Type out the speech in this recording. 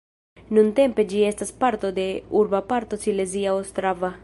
Nuntempe ĝi estas parto de urba parto Silezia Ostrava.